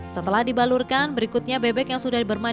setelah dibalurkan berikutnya bebek yang sudah diberlakukan